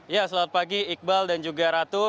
ya selamat pagi iqbal dan juga ratu